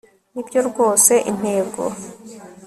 nibyo rwose intego